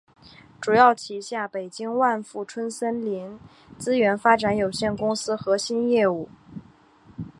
主要旗下北京万富春森林资源发展有限公司核心业务。